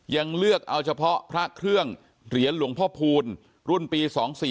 ยังเลือกเอาเฉพาะพระเครื่องเหรียญหลวงพ่อพูลรุ่นปี๒๔๔